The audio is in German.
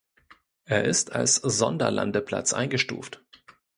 Er ist als Sonderlandeplatz eingestuft.